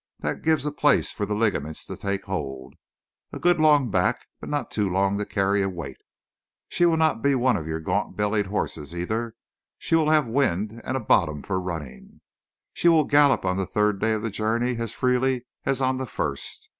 That gives a place for the ligaments to take hold. A good long back, but not too long to carry a weight. She will not be one of your gaunt bellied horses, either; she will have wind and a bottom for running. She will gallop on the third day of the journey as freely as on the first.